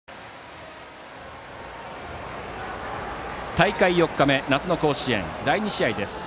大会４日目、夏の甲子園第２試合です。